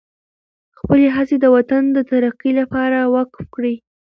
خپلې هڅې د وطن د ترقۍ لپاره وقف کړئ.